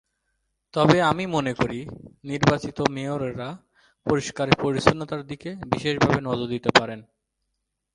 তবে আমি মনে করি, নির্বাচিত মেয়ররা পরিষ্কার-পরিচ্ছন্নতার দিকে বিশেষভাবে নজর দিতে পারেন।